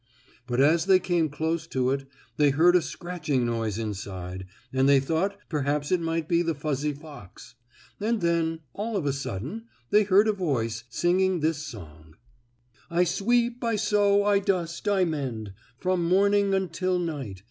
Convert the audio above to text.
But as they came close to it they heard a scratching noise inside, and they thought perhaps it might be the fuzzy fox. And then, all of a sudden, they heard a voice singing this song: "I sweep, I sew, I dust, I mend, From morning until night.